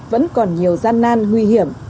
vẫn còn nhiều gian nan nguy hiểm